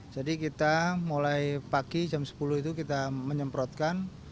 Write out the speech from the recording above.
jadi kita mulai pagi jam sepuluh itu kita menyemprotkan